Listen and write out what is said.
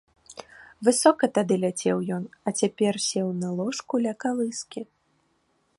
Высока тады ляцеў ён, а цяпер сеў на ложку ля калыскі.